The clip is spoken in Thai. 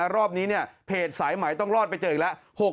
รอบนี้เนี่ยเพจศรายหมายต้องรอดไปเจอกันครับ